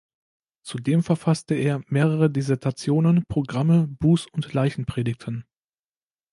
Zudem verfasste er mehrere Dissertation, Programme, Buß- und Leichenpredigten.